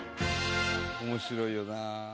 面白いよな。